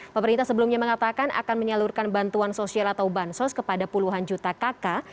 pemerintah sebelumnya mengatakan akan menyalurkan bantuan sosial atau bansos kepada puluhan juta kakak